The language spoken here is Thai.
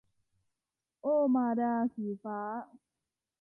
โอ้มาดา - สีฟ้า